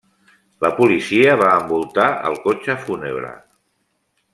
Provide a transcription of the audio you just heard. La policia va envoltar el cotxe fúnebre.